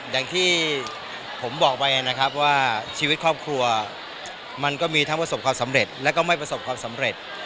อย่างที่ผมบอกไปนะครับว่าชีวิตครอบครัวมันก็มีทั้งประสบความสำเร็จแล้วก็ไม่ประสบความสำเร็จ